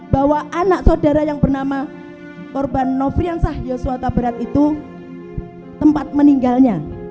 bahwa anak saudara yang bernama korban nofrian sahyoswata berat itu tempat meninggalnya